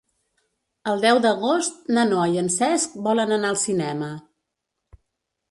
El deu d'agost na Noa i en Cesc volen anar al cinema.